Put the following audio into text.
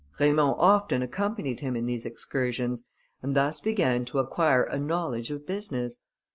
Raymond often accompanied him in these excursions, and thus began to acquire a knowledge of business.